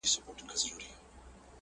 په یوه ګړي یې مرګ ته برابر کړ؛